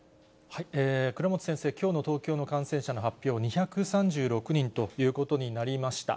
倉持先生、きょうの東京の感染者の発表、２３６人ということになりました。